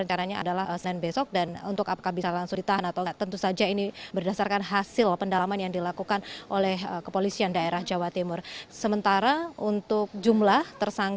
ahli bahasa ahli dari kementerian